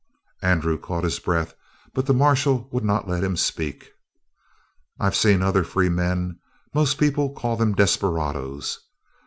Andrew caught his breath, but the marshal would not let him speak. "I've seen other free men most people called them desperadoes.